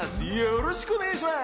よろしくお願いします！